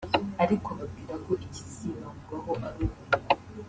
ariko ababwirako ikizibandwaho ari ubumenyi